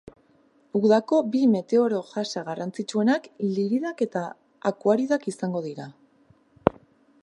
Udako bi meteoro jasa garrantzitsuenak liridak eta eta akuaridak izango dira.